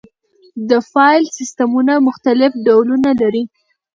د فایل سیستمونه مختلف ډولونه لري.